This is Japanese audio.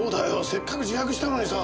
せっかく自白したのにさ。